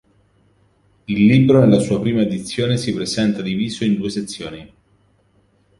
Il libro, nella sua prima edizione, si presenta diviso in due sezioni.